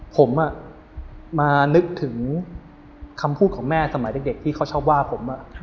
ผมมานึกถึงคำพูดของแม่สมัยเด็กที่เขาชอบว่าผม